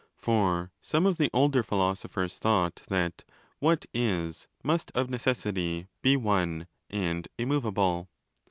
For some of the older philosophers" thought that ' what is' must of necessity be 'one' and immovable.